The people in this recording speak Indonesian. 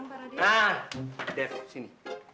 nah def sini